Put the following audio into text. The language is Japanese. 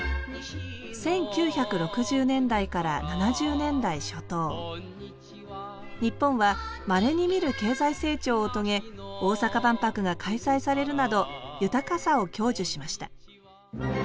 １９６０年代から７０年代初頭日本はまれに見る経済成長を遂げ大阪万博が開催されるなど豊かさを享受しました